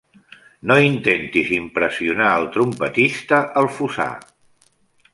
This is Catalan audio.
No intentis impressionar el trompetista al fossar.